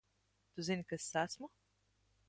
Tu zini, kas es esmu?